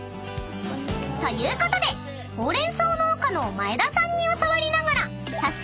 ［ということでほうれん草農家の前田さんに教わりながら早速］